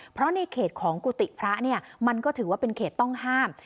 เพราะในเขตของกุฏิพระเนี่ยมันก็ถือว่าเป็นเขตต้องห้าม